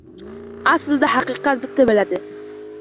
Aslida, haqiqat bitta bo‘ladi.